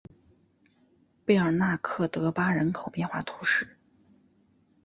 贝尔纳克德巴人口变化图示